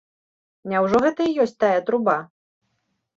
Няўжо гэта і ёсць тая труба?